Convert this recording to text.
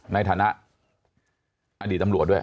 ในฐานะเอดีตำรวจเว้ย